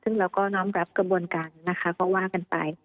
ซึ่งเราก็น้อมรับกระบวนการนะคะก็ว่ากันไป